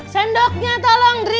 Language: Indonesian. sendoknya tolong andri